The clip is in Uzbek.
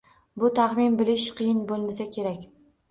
Buni taxmin bilish qiyin bo'lmasa kerak.